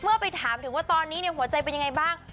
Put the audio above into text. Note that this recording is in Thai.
เมื่อขอบคุณไปถามว่าตอนนี้หัวใจเป็นยังไงบ้าง